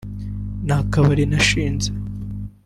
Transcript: Nta kabari nashinze